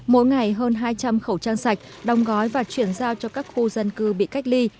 mỗi ngày hơn hai trăm linh khẩu trang sạch đồng gói và chuyển giao cho các khu dân cư bị cách ly